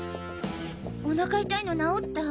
お腹痛いの治った？